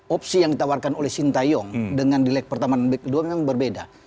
opsi yang ditawarkan oleh sintayong dengan di leg pertama dan leg kedua memang berbeda